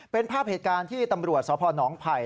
เป็นภาพเหตุการณ์ที่ตำรวจสพนไผ่